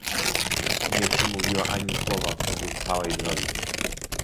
"Nie przemówiła ani słowa w ciągu całej drogi."